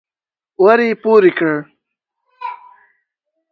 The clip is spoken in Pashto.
ور يې پورې کړ.